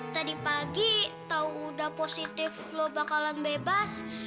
tadi pagi tau udah positif lo bakalan bebas